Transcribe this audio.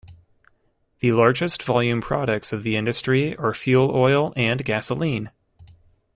The largest volume products of the industry are fuel oil and gasoline.